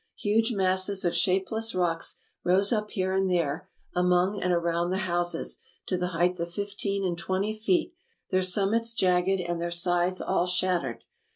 Huge masses of shapeless rocks rose up here and there, among and around the houses, to the height of fifteen and twenty feet, their summits jagged and their sides all shattered.